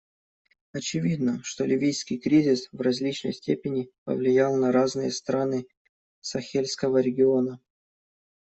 Очевидно, что ливийский кризис в различной степени повлиял на разные страны Сахельского региона.